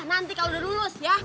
nanti kalau udah lulus ya